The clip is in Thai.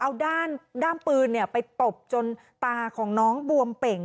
เอาด้ามปืนไปตบจนตาของน้องบวมเป่ง